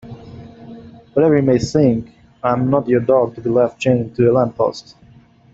Whatever you may think I'm not your dog to be left chained to a lamppost.